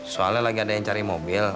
soalnya lagi ada yang cari mobil